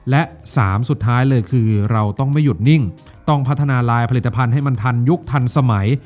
และสามสุดท้ายเลยคือเราต้องไม่หยุดนิ่งต้องพัฒนาลายผลิตภัณฑ์ให้มันทันยุคทันสมัย